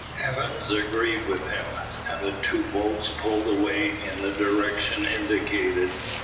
Evans agreed with him, and the two boats pulled away in the direction indicated.